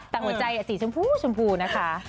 แต่หัวใจสีชมพูชมพูนะคะ